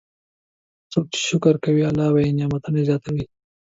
څوک چې شکر کوي، الله یې نعمتونه زیاتوي.